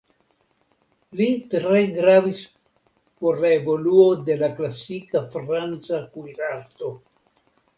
Li tre gravis por la evoluo de la klasika franca kuirarto.